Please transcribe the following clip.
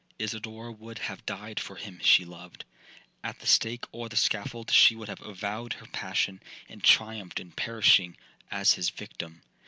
'Isidora would have died for him she loved. At the stake or the scaffold she would have avowed her passion, and triumphed in perishing as its victim.